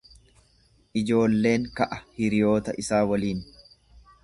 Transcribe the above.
Ijoolleen ka'a hiriyoota isaa waliin.